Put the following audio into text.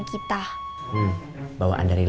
bayiaciones ni udah liget